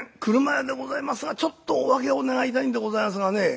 俥屋でございますがちょっとお開けを願いたいんでございますがね」。